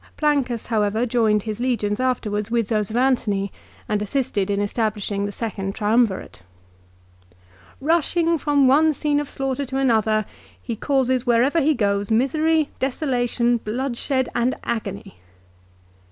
Plaucus, however, joined his legions after wards with those of Antony and assisted in establishing the second Triumvirate. " Rushing from one scene of slaughter to another he causes wherever he goes misery, desolation, bloodshed, and agony."